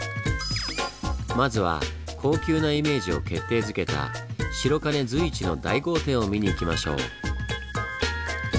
まずは高級なイメージを決定づけた白金随一の大豪邸を見に行きましょう。